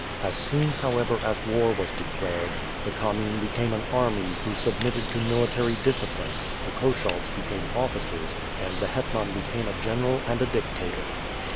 As soon, however, as war was declared, the commune became an army who sub mitted to military discipline; the Koshovs became officers, and the hetman became a general and a dictator.